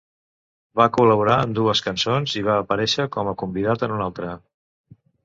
Va col·laborar en dues cançons i va aparèixer com a convidat en una altra.